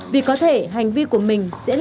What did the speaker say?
vì có thể hãy đăng ký kênh để nhận thông tin nhất